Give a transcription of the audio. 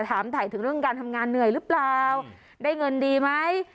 ถามถ่ายถึงเรื่องการทำงานเหนื่อยหรือเปล่าได้เงินดีไหม